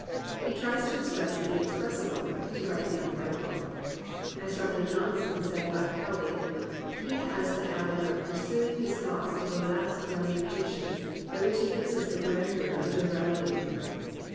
He tries to express the inexpressible, to write the unwrit able. As Dr. Johnson said of Cowley, he has the habit "of pursuing his thoughts to the last rami fications, by which he loses the grandeur of gener ality."